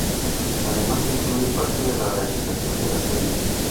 Además incluye parte de la realización de la serie.